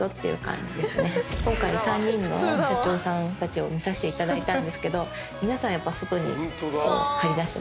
今回３人の社長さんたちを見させていただいたんですけど皆さんやっぱ外に張り出してますね。